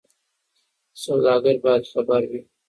سوداګر باید خبر وي.